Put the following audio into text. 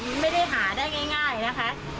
มันไม่ได้หาได้ง่ายนะคะ